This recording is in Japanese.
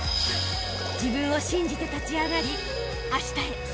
［自分を信じて立ち上がりあしたへ